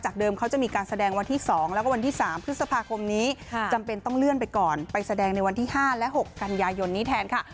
เดิมเขาจะมีการแสดงวันที่๒แล้วก็วันที่๓พฤษภาคมนี้จำเป็นต้องเลื่อนไปก่อนไปแสดงในวันที่๕และ๖กันยายนนี้แทนค่ะ